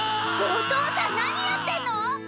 お父さん何やってんの！？